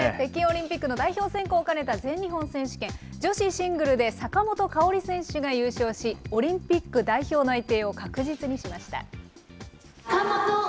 北京オリンピックの代表選考を兼ねた全日本選手権女子シングルで坂本花織選手が優勝し、オリンピック代表内定を確実にしました。